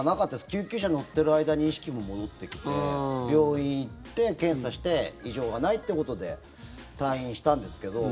救急車乗ってる間に意識も戻ってきて病院行って、検査して異常はないということで退院したんですけど。